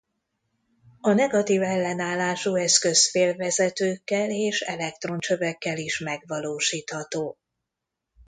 A negatív ellenállású eszköz félvezetőkkel és elektroncsövekkel is megvalósítható.